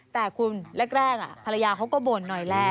แต่คุณแรกภรรยาเขาก็บ่นหน่อยแหละ